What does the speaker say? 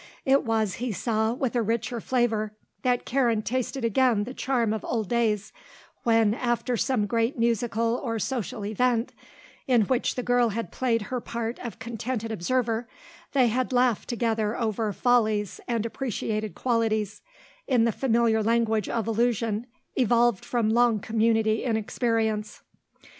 It was, he saw, with a richer flavour that Karen tasted again the charm of old days, when, after some great musical or social event, in which the girl had played her part of contented observer, they had laughed together over follies and appreciated qualities, in the familiar language of allusion evolved from long community in experience.